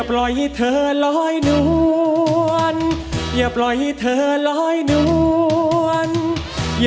อย่าปล่อยให้เธอร้อยนวล